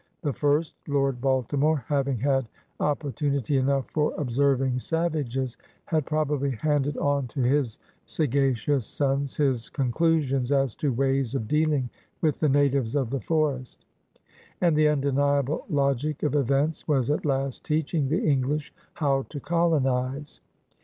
The first Lord Baltimore, having /had opportimity enough for observing savages, had probably handed on to his sagacious sons his conclusions as to ways of dealing with the natives of the forest. And the undeniable logic of events was at last teaching the English how to colonize.